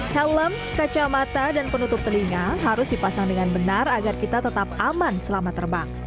helm kacamata dan penutup telinga harus dipasang dengan benar agar kita tetap aman selama terbang